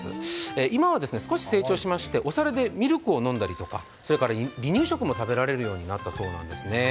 今は少し成長しましてお皿でミルクを飲んだりとかそれから離乳食も食べられるようになったそうなんですね。